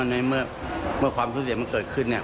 ในเมื่อความสูญเสียมันเกิดขึ้นเนี่ย